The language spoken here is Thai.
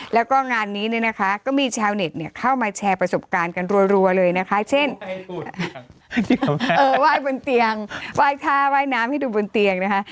แล้วก็งานนี้นะนะคะก็มีชาวเน็ตเข้ามาแชร์ประสบการณ์ตัวกันบันรัวเลยนะคะเช่นว่ายทาว่ายน้ำให้ดูบนเตียงนะค่ะ